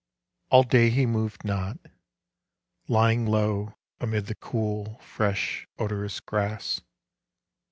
ALL day he moved not, lying low amid The cool fresh odorous grass.